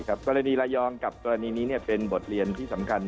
กรณีระยองกับกรณีนี้เป็นบทเรียนที่สำคัญ